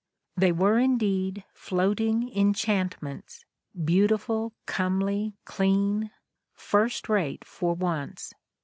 They were indeed "floating enchantments," beautiful, comely, clean — first rate, for once